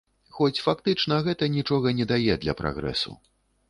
Хоць фактычна гэта нічога не дае для прагрэсу.